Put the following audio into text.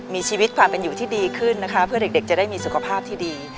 มีชีวิตความเป็นอยู่ที่ดีขึ้นนะคะเพื่อเด็กจะได้มีสุขภาพที่ดี